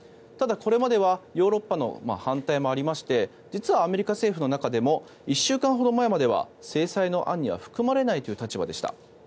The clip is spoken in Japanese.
ただ、これまではヨーロッパの反対もありまして実はアメリカ政府の中でも１週間ほど前までは制裁の案には含まれないという立場でした。